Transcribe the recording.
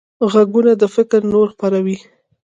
غوږونه د فکر نور خپروي